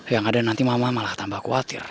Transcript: yang ada nanti mama malah tambah khawatir